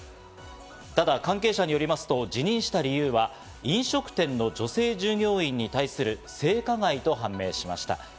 ただ、関係者によりますと辞任した理由は飲食店の女性従業員に対する性加害と判明しました。